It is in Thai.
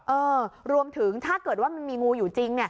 เออรวมถึงถ้าเกิดว่ามันมีงูอยู่จริง